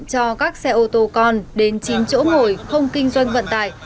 cho các xe ô tô con đến chín chỗ ngồi không kinh doanh vận tải